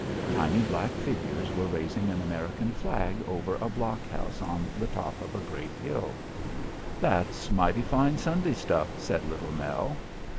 Tiny black figures were raising an American flag over a blockhouse on the top of a great hill. "That's mighty fine Sunday stuff," said Little Nell.